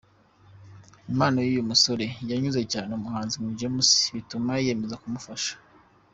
Impano y'uyu musore yanyuze cyane umuhanzi King James bituma yiyemeza kumufasha.